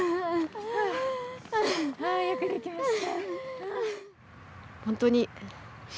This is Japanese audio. あよくできました。